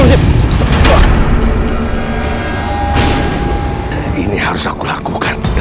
lihat keadaan keluarga kita